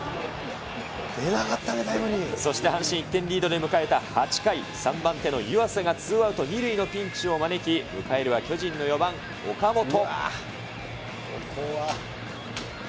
そして阪神１点リードで迎えた８回、３番手の湯浅がツーアウト２塁のピンチを招き、迎えるは巨人の４番岡本。